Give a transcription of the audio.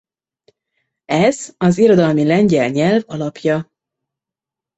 Ez az irodalmi lengyel nyelv alapja.